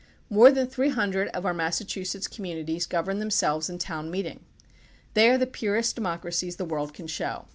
More than three hundred of our Massachusetts communities govern themselves in town meeting. They are the purest democracies the world can show.